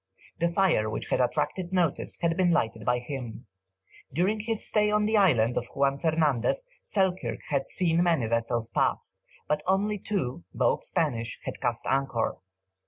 The fire which had attracted notice had been lighted by him. During his stay on the island of Juan Fernandez, Selkirk had seen many vessels pass, but only two, both Spanish, had cast anchor.